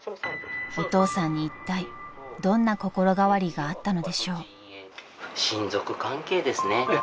［お父さんにいったいどんな心変わりがあったのでしょう？］